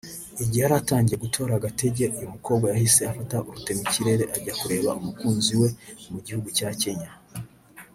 Igihe yaratangiye gutora agatege uyu mukobwa yahise afata rutemikerere ajya kureba umukunzi we mu gihugu cya Kenya